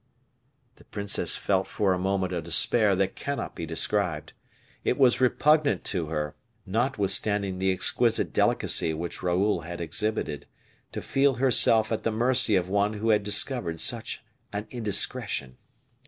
The princess felt for a moment a despair that cannot be described; it was repugnant to her, notwithstanding the exquisite delicacy which Raoul had exhibited, to feel herself at the mercy of one who had discovered such an indiscretion.